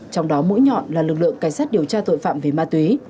trong đó mũi nhọn là lực lượng cảnh sát điều tra tội phạm về ma túy